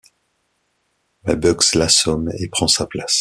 Mais Bugs l'assomme et prend sa place.